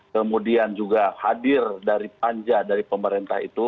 kemudian juga hadir dari panja dari pemerintah itu